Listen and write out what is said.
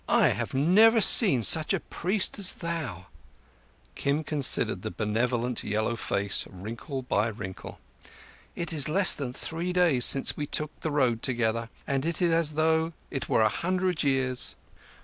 "And I have never seen such a priest as thou." Kim considered the benevolent yellow face wrinkle by wrinkle. "It is less than three days since we took the road together, and it is as though it were a hundred years."